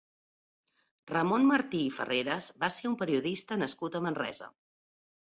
Ramon Martí i Farreras va ser un periodista nascut a Manresa.